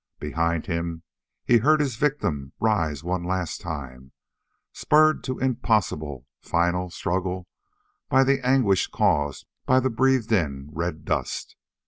Behind him he heard his victim rise one last time, spurred to impossible, final struggle by the anguish caused by the breathed in red dust.